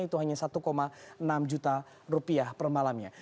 itu hanya satu enam juta rupiah per malamnya